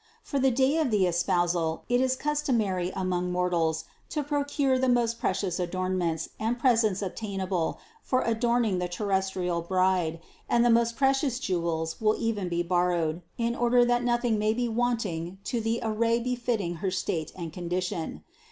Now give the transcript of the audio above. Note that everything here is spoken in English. For the day of the espousal it is customary among mortals to procure 204 CITY OF GOD the most precious adornments and presents obtainable for adorning the terrestrial bride, and the most precious jewels will even be borrowed, in order that nothing may be wanting to the array befitting her state and condition.